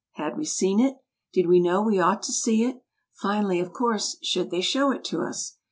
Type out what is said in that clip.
had we seen it ? did we know we ought to see it ? finally, of course, should they show it to us